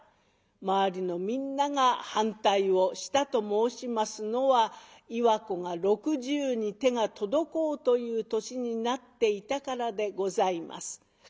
周りのみんなが反対をしたと申しますのは岩子が６０に手が届こうという年になっていたからでございます。